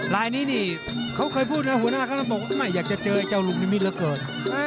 ลายนี้เนี่ยเค้าเคยพูดนะหัวหน้าเค้าจะบอกว่าไม่อยากจะเจอไอ้เจ้าลูกนิมิตรแล้วเกิด